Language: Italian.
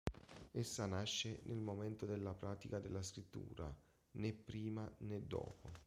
Essa nasce nel momento della pratica della scrittura, né prima né dopo.